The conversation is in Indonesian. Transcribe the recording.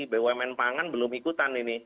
bumn pangan belum ikutan ini